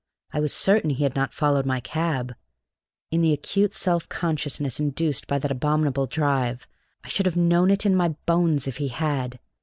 I was certain he had not followed my cab: in the acute self consciousness induced by that abominable drive, I should have known it in my bones if he had.